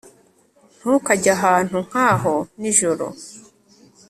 Ntukajye ahantu nkaho nijoro